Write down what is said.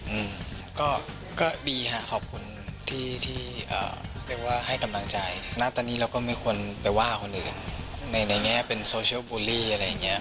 อืมก็ก็ดีค่ะขอบคุณที่ที่อ่าเรียกว่าให้กำลังใจณตอนนี้เราก็ไม่ควรไปว่าคนอื่นในในแง่เป็นโซเชียลบูลลี่อะไรอย่างเงี้ย